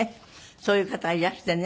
そういう方がいらしてね。